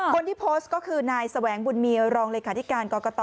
คนที่โพสต์ก็คือนายแสวงบุญมีรองเลขาธิการกรกต